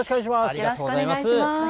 ありがとうございます。